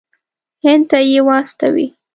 هند ته یې واستوي.